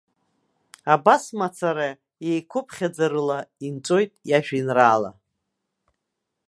Абас мацара, еиқәыԥхьаӡарыла инҵәоит иажәеинраала.